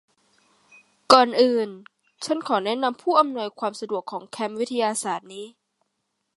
ก่อนอื่น ฉันขอแนะนำผู้อำนวยความสะดวกของแคมป์วิทยาศาสตร์นี้